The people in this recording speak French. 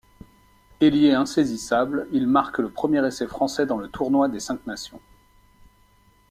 Ailier insaisissable, il marque le premier essai français dans le Tournoi des Cinq Nations.